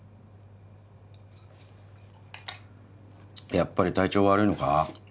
やっぱり体調悪いのか？